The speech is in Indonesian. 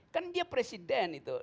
kan dia presiden itu